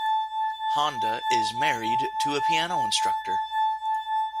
Honda is married to a piano instructor.